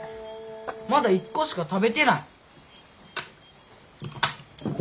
まだ１個しか食べてない。